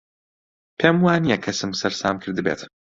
پێم وا نییە کەسم سەرسام کردبێت.